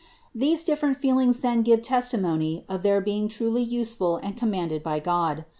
These different feelings then give testimony of their being truly useful and com manded by God.